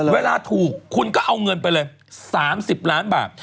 เวลาถูกคุณก็เอาเงินไปเลย๓๐ล้านบาท